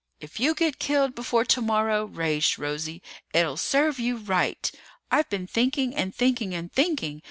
"If you get killed before tomorrow," raged Rosie, "it'll serve you right! I've been thinking and thinking and thinking.